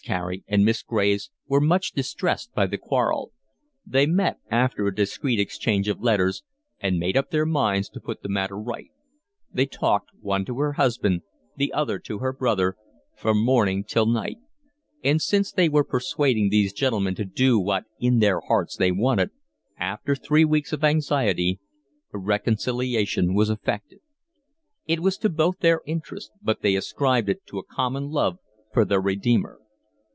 Carey and Miss Graves were much distressed by the quarrel; they met after a discreet exchange of letters, and made up their minds to put the matter right: they talked, one to her husband, the other to her brother, from morning till night; and since they were persuading these gentlemen to do what in their hearts they wanted, after three weeks of anxiety a reconciliation was effected. It was to both their interests, but they ascribed it to a common love for their Redeemer.